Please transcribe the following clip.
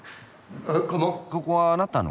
ここはあなたの？